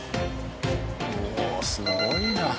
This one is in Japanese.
おおすごいな。